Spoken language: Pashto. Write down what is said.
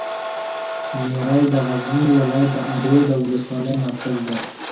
میری د غزني ولایت د اندړو د ولسوالي مرکز ده.